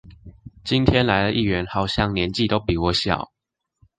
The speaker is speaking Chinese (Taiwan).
今天來的議員好像年紀都比我小